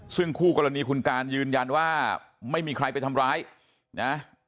ซึ่งคู่กรณีคุณการยืนยันว่าไม่มีใครไปทำร้ายนะ